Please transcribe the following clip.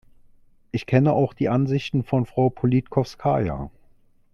Ich kenne auch die Ansichten von Frau Politkowskaja.